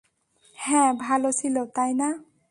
হ্যাঁ, ভাল ছিল, তাই না?